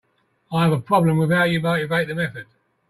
I have a problem with how you motivate the method.